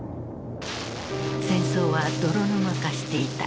戦争は泥沼化していた。